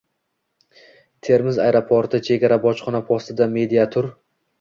“Termiz aeroporti” chegara bojxona postida media-tur